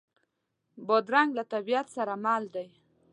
بادرنګ له طبیعت سره مل دی.